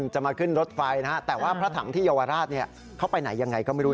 จะมาขึ้นรถไฟนะฮะแต่ว่าพระถังที่เยาวราชเขาไปไหนยังไงก็ไม่รู้